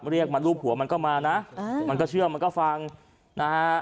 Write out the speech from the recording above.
เรียกมารูปหัวมันก็มานะมันก็เชื่อมันก็ฟังนะฮะ